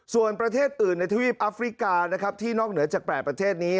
ส่วนประเทศอื่นในทวีปอัฟริกานะครับที่นอกเหนือจาก๘ประเทศนี้